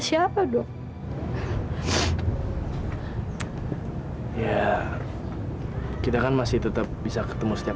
sampai jumpa di video selanjutnya